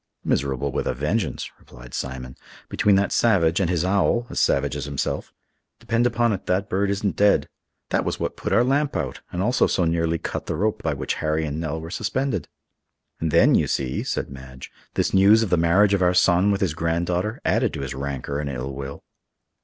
"Miserable with a vengeance," replied Simon, "between that savage and his owl, as savage as himself. Depend upon it, that bird isn't dead. That was what put our lamp out, and also so nearly cut the rope by which Harry and Nell were suspended." "And then, you see," said Madge, "this news of the marriage of our son with his granddaughter added to his rancor and ill will."